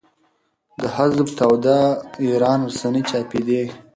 د حزب توده ایران رسنۍ چاپېدې.